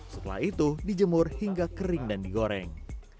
setelah itu dijemur hingga kering dan digoreng